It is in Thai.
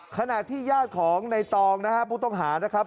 ขณะที่ญาติของในตองนะฮะผู้ต้องหานะครับ